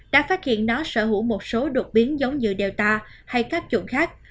đã phát hiện nó sở hữu một số đột biến giống như delta hay các chủng khác